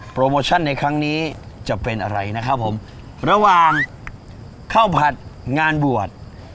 โมชั่นในครั้งนี้จะเป็นอะไรนะครับผมระหว่างข้าวผัดงานบวช